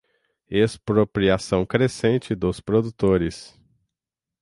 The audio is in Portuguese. expropriação crescente dos produtores